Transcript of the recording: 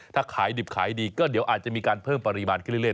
ถ้าขายดิบขายดีก็เดี๋ยวอาจจะมีการเพิ่มปริมาณขึ้นเรื่อย